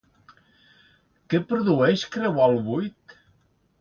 Què produeix creuar el Buit?